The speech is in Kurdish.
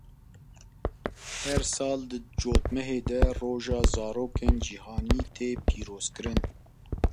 Her sal di cotmehê de Roja Zarokên Cîhanî tê pîrozkirin.